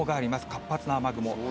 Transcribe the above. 活発な雨雲。